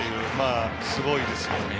すごいですよ。